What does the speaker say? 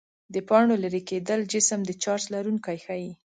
د پاڼو لیري کېدل جسم د چارج لرونکی ښيي.